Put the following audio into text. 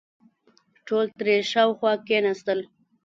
ټول ترې شاوخوا کېناستل.